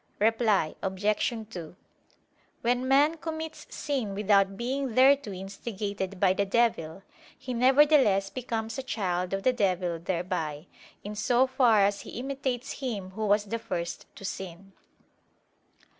Reply Obj. 2: When man commits sin without being thereto instigated by the devil, he nevertheless becomes a child of the devil thereby, in so far as he imitates him who was the first to sin.